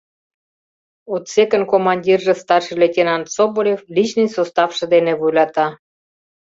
Отсекын командирже старший лейтенант Соболев личный составше дене вуйлата.